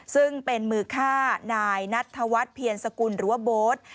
ซึ่งเป็นมือฆ่านายนัทธวัฒน์เพียรสกุลหรือว่าโบ๊ท